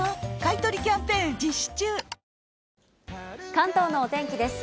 関東のお天気です。